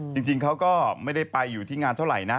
จริงเขาก็ไม่ได้ไปอยู่ที่งานเท่าไหร่นะ